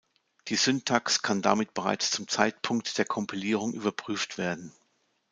Die Syntax kann damit bereits zum Zeitpunkt der Kompilierung überprüft werden.